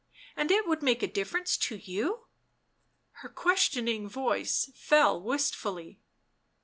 And it would make a difference to you ?" Her ques tioning voice fell wistfully.